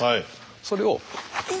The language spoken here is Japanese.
それを。